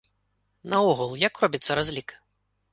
Наогул, як робіцца разлік?